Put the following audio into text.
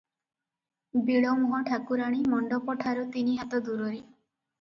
ବିଳମୁହଁ ଠାକୁରାଣୀ ମଣ୍ତପଠାରୁ ତିନି ହାତ ଦୂରରେ ।